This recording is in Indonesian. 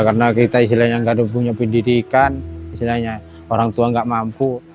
karena kita istilahnya nggak punya pendidikan istilahnya orang tua nggak mampu